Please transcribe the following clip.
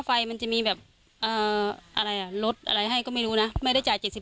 ไฟมันจะมีแบบอะไรอ่ะลดอะไรให้ก็ไม่รู้นะไม่ได้จ่าย๗๐